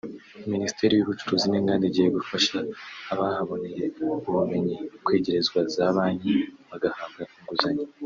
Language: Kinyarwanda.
Minisiteri y’ubucuruzi n’inganda igiye gufasha abahaboneye ubumenyi kwegerezwa za banki bagahabwa inguzanyo